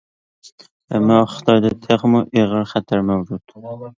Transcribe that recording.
ئەمما خىتايدا تېخىمۇ ئېغىر خەتەر مەۋجۇت.